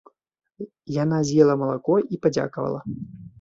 Яна з'ела малако і падзякавала.